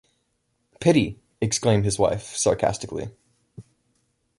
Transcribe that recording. “Pity!” exclaimed his wife, sarcastically.